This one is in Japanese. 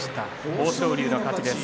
豊昇龍の勝ちです。